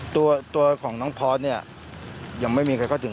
ตัวของน้องพอร์ตเนี่ยยังไม่มีใครเข้าถึง